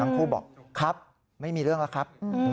คู่บอกครับไม่มีเรื่องแล้วครับ